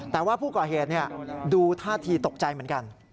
แต่ว่าผู้ก่อเหตุดูท่าทีตกใจเหมือนกัน